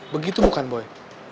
begitu bukan boy